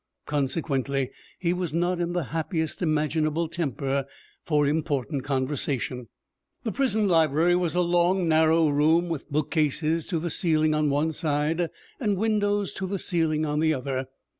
Consequently he was not in the happiest imaginable temper for important conversation. The prison library was a long, narrow room, with bookcases to the ceiling on one side and windows to the ceiling on the other.